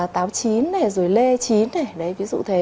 táo chín lê chín ví dụ thế